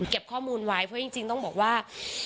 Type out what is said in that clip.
ข้อมูลไว้เพราะจริงต้องบอกว่า